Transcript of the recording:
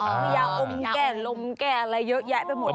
มียาอมแก่ลมแก่อะไรเยอะแยะไปหมดเลย